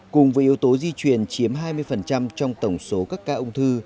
cùng với yếu tố di truyền chiếm hai mươi trong tổng số các ca ung thư